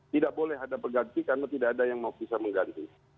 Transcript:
tidak boleh ada yang mengganti karena tidak ada yang bisa mengganti